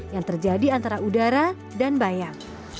yang terjadi antara udara dan bayang